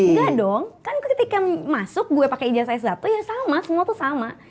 enggak dong kan ketika masuk gue pakai ijazah s satu ya sama semua tuh sama